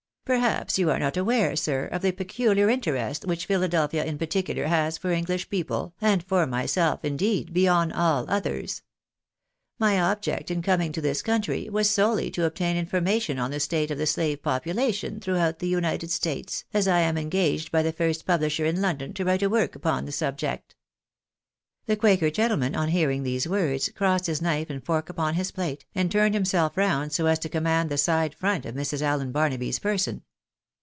" Perhaps you are not aware, sir, of the pecuhar interest which Philadelphia in particular has for English people, and for myself indeed beyond all othets. My object in coming to this country was solely to obtain information on the state of the slave popula tion throughout the United States, as I am engaged by the first publisher in London to write a work upon the subject." The quaker gentleman on, hearing these words, crossed his knife and fork upon his plate, and turned himself round so as to command the side front of Mrs. Allen Barnaby's person.